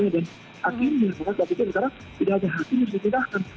dan hakimnya sekarang tidak ada hakim yang harus ditinggalkan